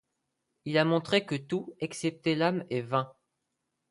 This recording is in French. Il a montré que tout, excepté l'âme, est vain ;